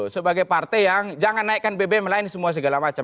sebagai partai yang jangan naikkan bbm lain semua segala macam